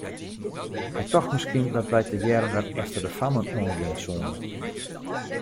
Hy tocht miskien dat wy tegearre wer efter de fammen oan gean soene.